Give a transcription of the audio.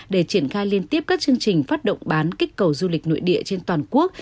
để triển khai liên tiếp các chương trình phát động bán kích cầu du lịch nội địa trên toàn quốc